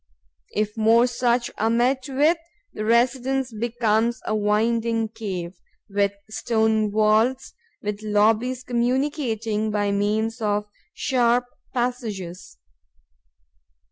If more such are met with, the residence becomes a winding cave, with stone vaults, with lobbies communicating by means of sharp passages.